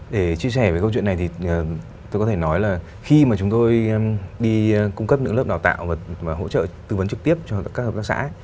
để chia sẻ về câu chuyện này thì tôi có thể nói là khi mà chúng tôi đi cung cấp những lớp đào tạo và hỗ trợ tư vấn trực tiếp cho các hợp tác xã